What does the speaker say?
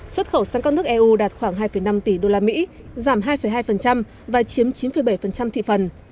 xuất khẩu sang các nước eu đạt khoảng hai năm tỷ đô la mỹ giảm hai hai và chiếm chín bảy thị phần